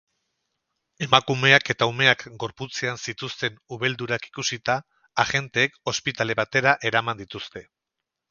Emakumeak eta umeak gorputzean zituzten ubeldurak ikusita, agenteek ospitale batera eraman dituzte.